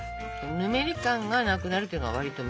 ぬめり感がなくなるっていうのが割と目安です。